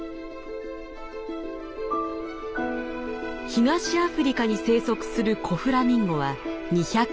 東アフリカに生息するコフラミンゴは２００万羽。